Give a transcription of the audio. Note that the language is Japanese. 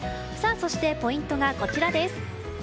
そして、ポイントがこちらです。